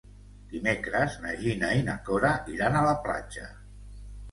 Dimecres na Gina i na Cora iran a la platja.